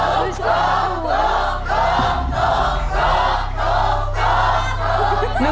ขุนยวม